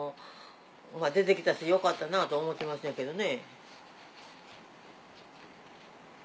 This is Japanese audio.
出て来たしよかったなと思ってますんやけどね。